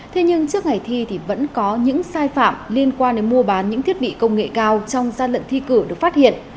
thế nhưng trước ngày thi thì vẫn có những sai phạm liên quan đến mua bán những thiết bị công nghệ cao trong gian lận thi cử được phát hiện